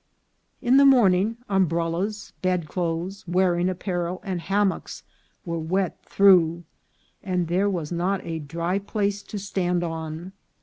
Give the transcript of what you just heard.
In the morning, umbrellas, bed clothes, wearing apparel, and hammocks were wet through, and there was not a dry place to stand on.